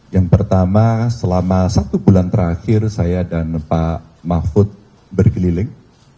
yang pertama selama satu bulan terakhir saya dan pak mahfud berkeliling